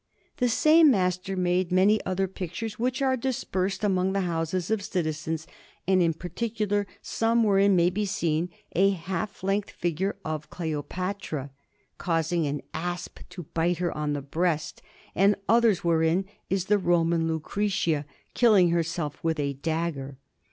The same master made many other pictures, which are dispersed among the houses of citizens, and in particular some wherein may be seen a half length figure of Cleopatra, causing an asp to bite her on the breast, and others wherein is the Roman Lucretia killing herself with a dagger.